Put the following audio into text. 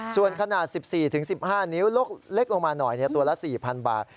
ส่วนขนาด๑๔๑๕นิ้วเล็กลงมาหน่อยตัวละ๔๐๐บาท